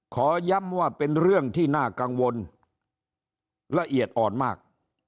ขอย้ำว่าเป็นเรื่องที่น่ากังวลละเอียดอ่อนมาก